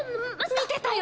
見てたよ。